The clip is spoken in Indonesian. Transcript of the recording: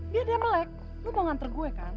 biar dia melek lo mau ngantre gue kan